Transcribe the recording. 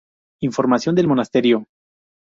Información del Monasterio